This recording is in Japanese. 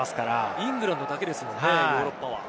イングランドだけですもんね、ヨーロッパは。